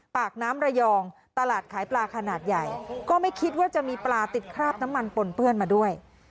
ปากน้ำระยองตลาดขายปลาขนาดใหญ่ก็ไม่คิดว่าจะมีปลาติดคราบน้ำมันปนเปื้อนมาด้วย